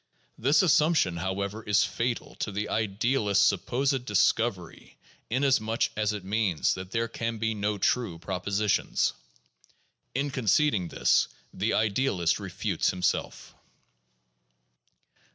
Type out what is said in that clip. This assumption, however, is fatal to the idealist's supposed discovery, inasmuch as it means that there can be no true propositions. In conceding this, the idealist refutes himself.